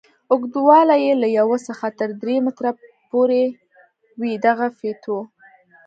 اوږدوالی یې له یوه څخه تر درې متره پورې وي دغه فیتو.